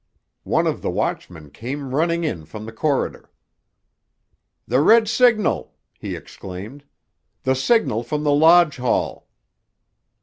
One of the watchmen came running in from the corridor. "The red signal!" he exclaimed. "The signal from the lodge hall!"